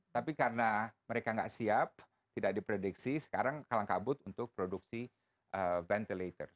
tapi karena mereka tidak siap tidak diprediksi sekarang kalang kabut untuk produksi ventilator